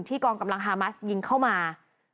กองกำลังฮามัสยิงเข้ามา